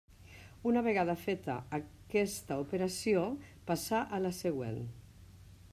Una vegada feta aquesta operació, passà a la següent.